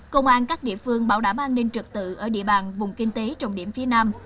công an các địa phương bảo đảm an ninh trực tự ở địa bàn vùng kinh tế trọng điểm phía nam